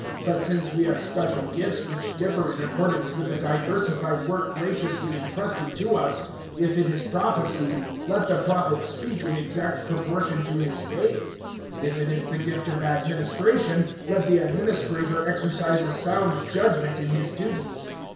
012:006 But since we have special gifts which differ in accordance with the diversified work graciously entrusted to us, if it is prophecy, let the prophet speak in exact proportion to his faith; 012:007 if it is the gift of administration, let the administrator exercise a sound judgement in his duties.